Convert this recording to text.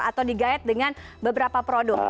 atau di guide dengan beberapa produk